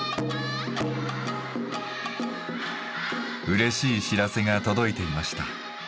うれしい知らせが届いていました。